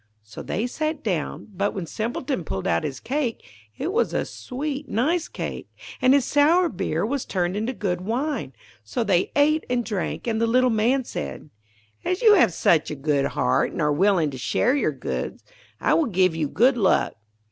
So they sat down; but when Simpleton pulled out his cake it was a sweet, nice cake, and his sour beer was turned into good wine. So they ate and drank, and the little Man said, 'As you have such a good heart, and are willing to share your goods, I will give you good luck.